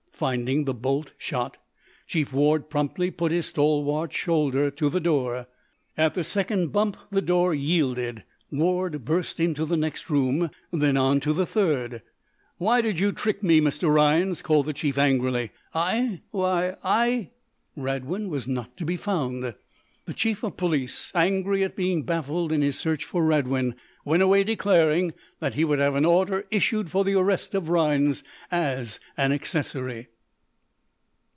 Finding the bolt shot, Chief Ward promptly put his stalwart shoulder to the door. At the second bump the door yielded. Ward burst into the next room, then on to the third. "Why did you trick me, Mr. Rhinds?" called the chief, angrily. "I? Why I " Radwin was not to be found. The Chief of Police, angry at being baffled in his search for Radwin, went away declaring that he would have an order issued for the arrest of Rhinds as an accessory.